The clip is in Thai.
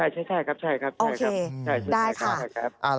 ใช่ครับได้ค่ะ